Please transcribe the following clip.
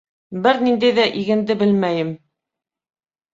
— Бер ниндәй ҙә игенде белмәйем.